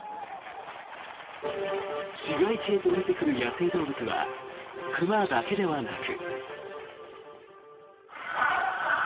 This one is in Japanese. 市街地へと下りてくる野生動物は熊だけではなく。